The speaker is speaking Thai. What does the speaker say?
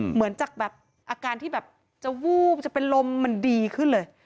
เหมือนจากแบบอาการที่แบบจะวูบจะเป็นลมมันดีขึ้นเลย